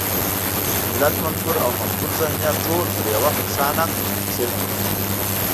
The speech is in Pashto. د ملت منفور او مقبول ذهنیت ټول پر يوه خانک کېنول شو.